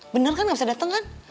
bener kan gak bisa datang kan